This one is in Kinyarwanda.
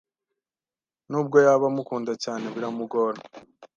n’ubwo yaba amukunda cyane biramugora